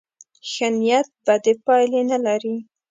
ښه نیت بدې پایلې نه لري.